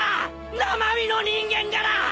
生身の人間がだ！